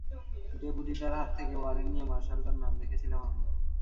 ডেপুটিটার হাত থেকে ওয়ারেন্ট নিয়ে মার্শালটার নাম দেখেছিলাম আমি।